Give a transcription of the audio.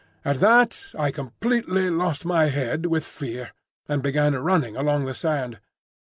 At that I completely lost my head with fear, and began running along the sand.